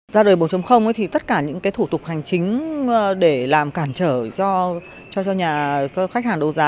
ra đời bốn thì tất cả những thủ tục hành chính để làm cản trở cho nhà khách hàng đấu giá